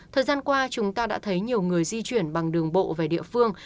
thời gian qua chúng ta đã thấy nhiều người di chuyển bằng đường bộ về địa phương